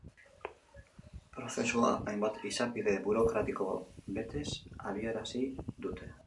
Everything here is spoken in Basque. Prozesua hainbat izapide burokratiko betez abiarazi dute.